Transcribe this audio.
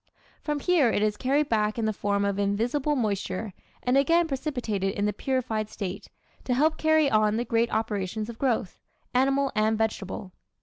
From here it is carried back in the form of invisible moisture and again precipitated in the purified state, to help carry on the great operations of growth animal and vegetable.